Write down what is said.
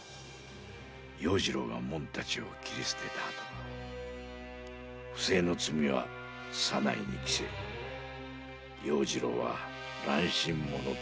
要次郎がもんたちを斬り捨てたあと不正の罪は左内に着せ要次郎は乱心者として斬り捨てる。